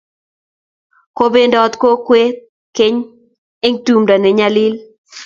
Kopendat kowek keny eng' tumndo ne nyalil